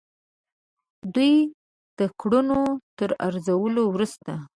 دوی د کړنو تر ارزولو وروسته.